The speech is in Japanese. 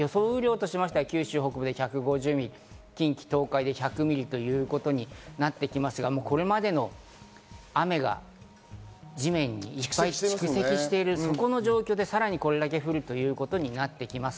雨量としては九州北部で１５０ミリ、近畿・東海で１００ミリということになってきますが、これまでの雨が地面に蓄積している、その状況でさらにこれだけ降るということになってきます。